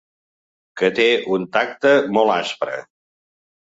Que té un tacte molt aspre.